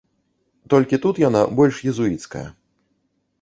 Толькі тут яна больш езуіцкая.